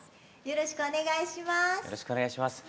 よろしくお願いします。